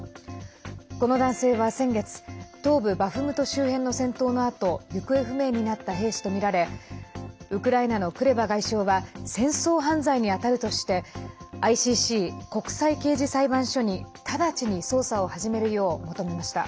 この男性は先月東部バフムト周辺の戦闘のあと行方不明になった兵士とみられウクライナのクレバ外相は戦争犯罪にあたるとしてＩＣＣ＝国際刑事裁判所に直ちに捜査を始めるよう求めました。